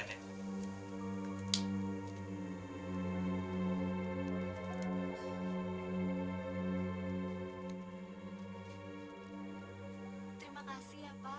terima kasih ya pak